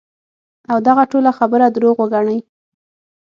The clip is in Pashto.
او دغه ټوله خبره دروغ وګڼی -